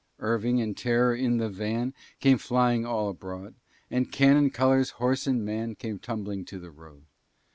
Irving and terror in the van, Came flying all abroad; And cannon, colors, horse, and man, Ran tumbling to the road.